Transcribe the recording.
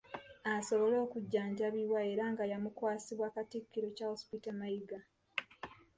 Asobole okujjanjabibwa era nga yamukwasibwa Katikkiro Charles Peter Mayiga.